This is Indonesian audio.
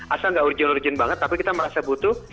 asal nggak urgent urgent banget tapi kita merasa butuh